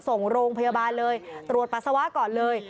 ส่งโรงพยาบาลเลยตรวจปัสสาวะก่อนเลย